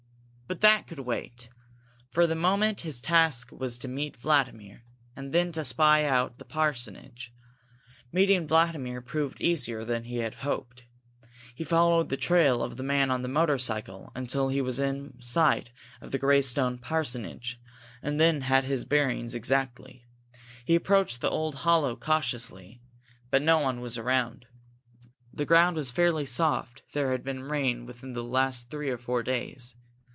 But that could wait. For the moment his task was to meet Vladimir and then to spy out the parsonage. Meeting Vladimir proved easier than he had hoped. He followed the trail of the man on the motorcycle until he was within sight of the grey stone parsonage, and then had his bearings exactly. He approached the hollow cautiously, but no one was around. The ground was fairly soft; there had been rain within the last three or four days.